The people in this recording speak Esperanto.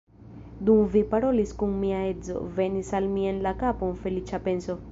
Dum vi parolis kun mia edzo, venis al mi en la kapon feliĉa penso.